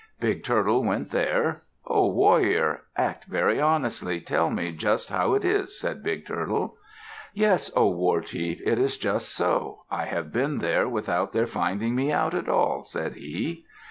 Big Turtle went there. "Ho, warrior. Act very honestly. Tell me just how it is," said Big Turtle. "Yes, O war chief, it is just so. I have been there without their finding me out at all," said he.